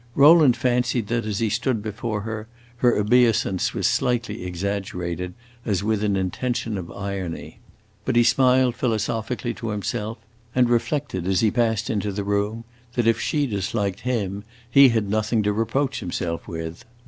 Rowland fancied that, as he stood before her, her obeisance was slightly exaggerated, as with an intention of irony; but he smiled philosophically to himself, and reflected, as he passed into the room, that, if she disliked him, he had nothing to reproach himself with.